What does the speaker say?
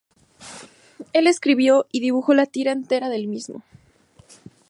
Él escribió y dibujó la tira entera del mismo.